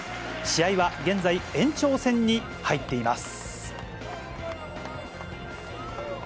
試合は現在、延長戦に入っています。